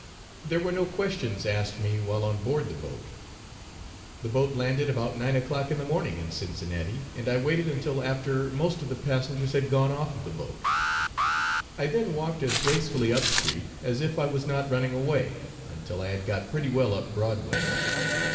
There were no questions asked me while on board the boat. The boat landed about 9 o'clock in the morning in Cincinnati, and I waited until after most of the passengers had gone off of the boat; I then walked as gracefully up street as if I was not running away, until I had got pretty well up Broadway.